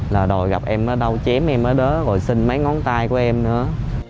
là đồi gặp em ở đâu chém em ở đó rồi xin mấy ngón tay của em nữa